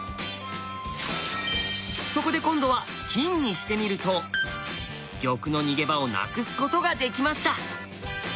そこで今度は金にしてみると玉の逃げ場をなくすことができました！